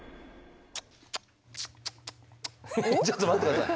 ちょっと待って下さい。